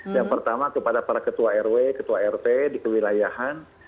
yang pertama kepada para ketua rw ketua rt di kewilayahan